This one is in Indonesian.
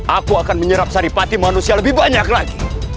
aku akan menyerap saripati manusia lebih banyak lagi